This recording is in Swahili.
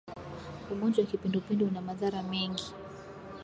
Ugonjwa wa kipindupindu una madhara mengi.